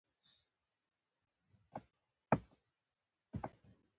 ته به مي لوټه د صحرا بولې